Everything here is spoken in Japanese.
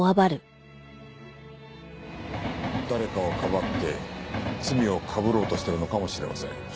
誰かをかばって罪をかぶろうとしてるのかもしれません。